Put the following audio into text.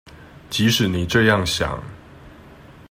即使你這樣想